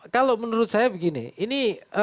kalau menurut saya begini ini